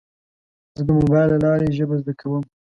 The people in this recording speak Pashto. زه د موبایل له لارې ژبه زده کوم.